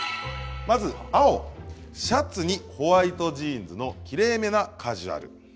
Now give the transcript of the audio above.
青・シャツにホワイトジーンズのきれいめカジュアル。